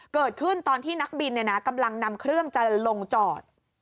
เกิดขึ้นตอนที่นักบินกำลังนำเครื่องจะลงจอด